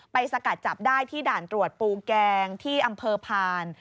สกัดจับได้ที่ด่านตรวจปูแกงที่อำเภอพาน